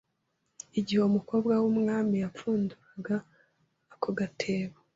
Igihe uwo mukobwa w’umwami yapfunduraga ako gatebo